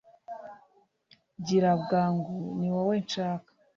gira bwangu ni wowe nshaka